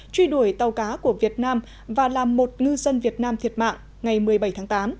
truy đuổi tàu cá của việt nam và làm một ngư dân việt nam thiệt mạng ngày một mươi bảy tháng tám